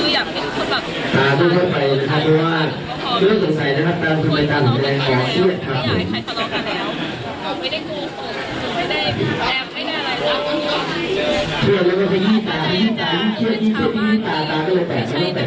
อยากให้ใครก็ร้องกันไม่อยากให้พี่ไปลุงเขาใช้มาลุงเราคืออยากให้เขาบอกว่า